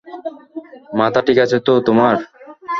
মাথা ঠিক আছে তো তোমার?